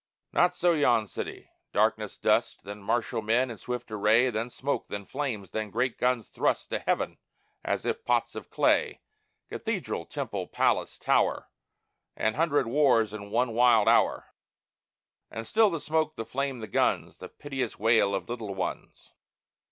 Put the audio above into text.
Not so yon city darkness, dust, Then martial men in swift array, Then smoke, then flames, then great guns thrust To heaven, as if pots of clay Cathedral, temple, palace, tower An hundred wars in one wild hour! And still the smoke, the flame, the guns The piteous wail of little ones!